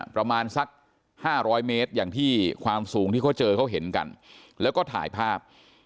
ประมาณสัก๕๐๐เมตรอย่างที่ความสูงที่เขาเจอเขาเห็นกันแล้วก็ถ่ายภาพ